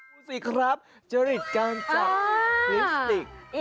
สุดจริงครับเจริตกันจากพิสติก